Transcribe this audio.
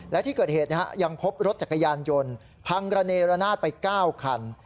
และที่เกิดเหตุยังพบรถจักรยานยนต์พังระเนรนาศไป๙คัน